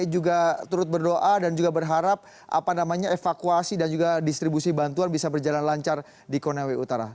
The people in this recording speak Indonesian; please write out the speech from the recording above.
juga turut berdoa dan juga berharap evakuasi dan juga distribusi bantuan bisa berjalan lancar di konawe utara